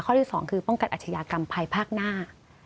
ที่๒คือป้องกันอาชญากรรมภายภาคหน้า